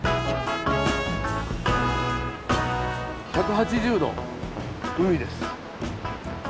１８０度海です。